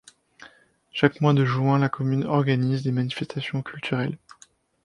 Chaque mois de juin, la commune organise des manifestations culturelles.